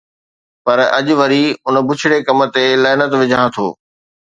پر اڄ وري ان بڇڙي ڪم تي لعنت وجهان ٿو